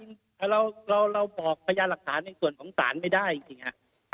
และเราก็บอกพยานหลักษาในส่วนของสารไม่ได้จริงอ่า